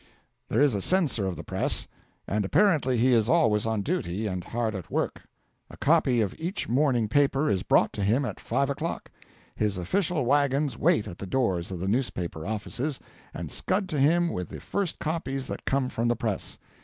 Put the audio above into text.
There is a censor of the press, and apparently he is always on duty and hard at work. A copy of each morning paper is brought to him at five o'clock. His official wagons wait at the doors of the newspaper offices and scud to him with the first copies that come from the press.